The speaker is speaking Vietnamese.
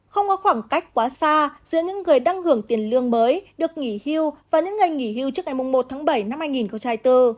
không có khoảng cách quá xa giữa những người đăng hưởng tiền lương mới được nghỉ hưu và những người nghỉ hưu trước ngày một tháng bảy năm hai nghìn bốn